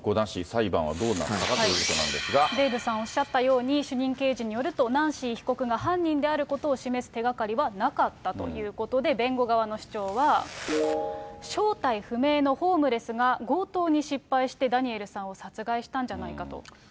裁判はどうなるかということなんデーブさんおっしゃったように、主任刑事によると、ナンシー被告が犯人であることを示す手がかりはなかったということで、弁護側の主張は、正体不明のホームレスが、強盗に失敗して、ダニエルさんを殺害したんじゃないかと。